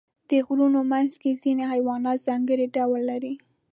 د غرونو منځ کې ځینې حیوانات ځانګړي ډول لري.